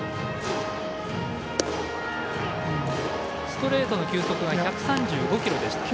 ストレートの球速が１３５キロでした。